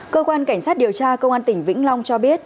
cơ quan cảnh sát điều tra công an tỉnh vĩnh long cho biết